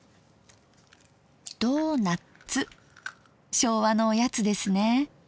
昭和のおやつですね。